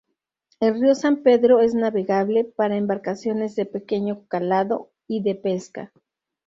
El Río San Pedro es navegable para embarcaciones de pequeño calado y de pesca.